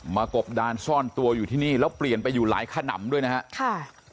กบดานซ่อนตัวอยู่ที่นี่แล้วเปลี่ยนไปอยู่หลายขนำด้วยนะครับ